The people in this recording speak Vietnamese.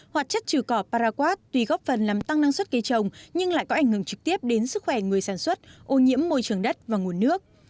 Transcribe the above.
hoạt chất trừ cỏ paraquad tuy góp phần làm tăng năng suất cây trồng nhưng lại có ảnh hưởng trực tiếp đến sức khỏe người sản xuất ô nhiễm môi trường đất và nguồn nước